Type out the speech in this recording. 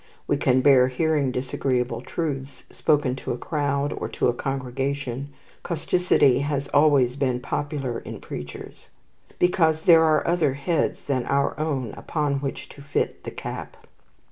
We can bear hearing disagreeable truths spoken to a crowd or to a congregation causticity has always been popular in preachers because there are other heads than our own upon which to fit the cap.